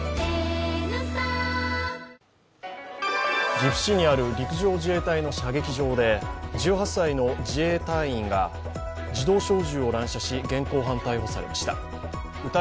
岐阜市にある陸上自衛隊の射撃場で１８歳の自衛隊員が自動小銃を乱射し現行犯逮捕されました。